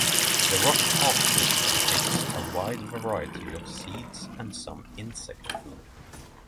The rock partridge takes a wide variety of seeds and some insect food.